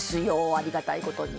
ありがたい事に。